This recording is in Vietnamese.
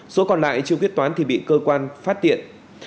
số còn lại chưa quyết toán thì bị cơ quan phát tiện